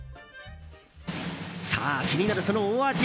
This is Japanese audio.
さあ、気になるそのお味